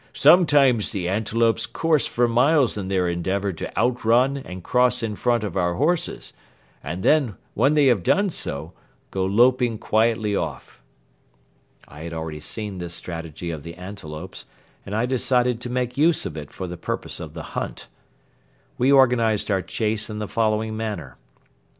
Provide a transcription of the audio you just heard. Sometimes the antelopes course for miles in their endeavor to outrun and cross in front of our horses and then, when they have done so, go loping quietly off." I had already seen this strategy of the antelopes and I decided to make use of it for the purpose of the hunt. We organized our chase in the following manner.